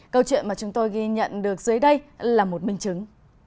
câu chuyện mà chúng tôi ghi nhận được dưới đây là một minh chứng